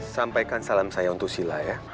sampaikan salam sayang untuk silla ya